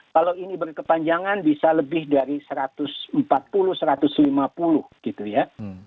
kalau ini berkepanjangan bisa lebih dari satu ratus empat puluh satu ratus lima puluh gitu ya